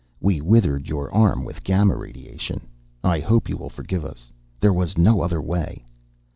We withered your arm with gamma radiation. I hope you will forgive us. There was no other way.